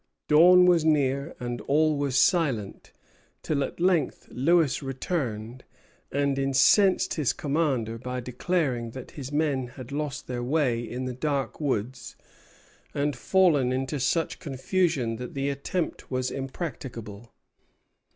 Dawn was near, and all was silent; till at length Lewis returned, and incensed his commander by declaring that his men had lost their way in the dark woods, and fallen into such confusion that the attempt was impracticable.